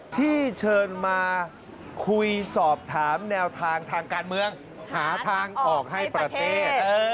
ที่เชิญมาคุยสอบถามแนวทางทางการเมืองหาทางออกให้ประเทศ